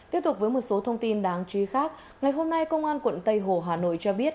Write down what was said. tiếp tục với một số thông tin đáng chú ý khác ngày hôm nay công an quận tây hồ hà nội cho biết